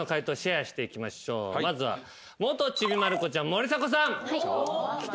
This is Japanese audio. まずは元ちびまる子ちゃん森迫さん。